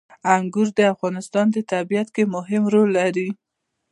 انګور د افغانستان په طبیعت کې مهم رول لري.